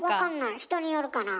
人によるかなあ。